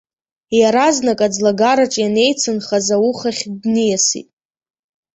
Иаразнак аӡлагараҿ ианеицынхаз аухахь дниасит.